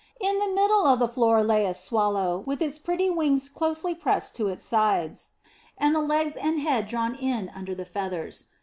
In the middle of the floor lay a swallow, with its pretty wings closely pressed to its sides, and the legs and head drawn in under the feathers.